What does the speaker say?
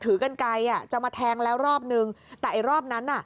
กันไกลอ่ะจะมาแทงแล้วรอบนึงแต่ไอ้รอบนั้นอ่ะ